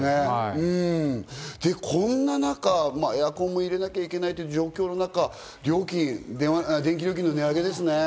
こんな中、エアコンを入れなきゃいけないという状況の中、電気料金の値上げですね。